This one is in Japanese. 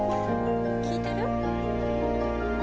聞いてる？